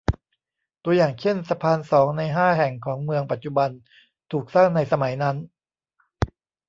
ตัวอย่างเช่น สะพานสองในห้าแห่งของเมืองปัจจุบันถูกสร้างในสมัยนั้น